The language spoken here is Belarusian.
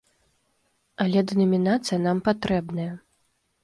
Але дэнамінацыя нам патрэбная.